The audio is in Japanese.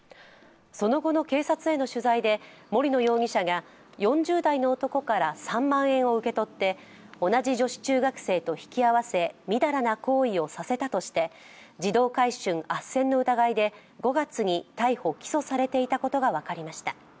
その後の警察への取材で森野容疑者が４０代の男から３万円を受け取って同じ女子中学生と引き合わせ淫らな行為をさせたとして児童売春あっせんの疑いで５月に逮捕・起訴されていたことが分かりました。